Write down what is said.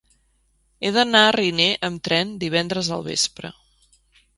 He d'anar a Riner amb tren divendres al vespre.